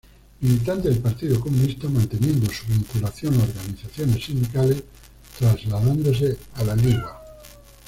Militante del Partido Comunista, manteniendo su vinculación a organizaciones sindicales, trasladándose a La Ligua.